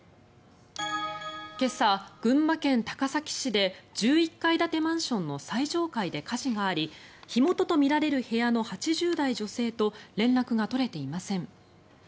今朝、群馬県高崎市で１１階建てマンションの最上階で火事があり火元とみられる部屋の８０代女性と連絡が取れていません。